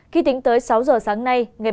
khi tính tới sáu giờ sáng nay